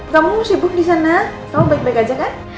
kamu sibuk di sana kamu baik baik aja kan